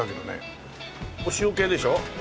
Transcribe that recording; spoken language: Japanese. これ塩系でしょ？